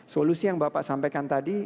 solusi yang bapak sampaikan tadi